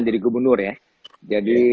jadi gubernur ya jadi